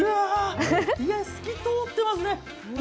いや、透き通ってますね。